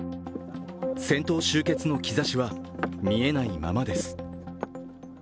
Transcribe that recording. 戦闘終結の兆しは見えないままです。